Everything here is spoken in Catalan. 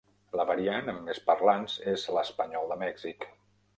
La variant amb més parlants és l'espanyol de Mèxic.